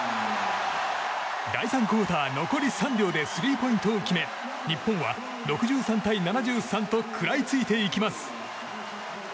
第３クオーター残り３秒でスリーポイントを決め日本は６３対７３と食らいついていきます。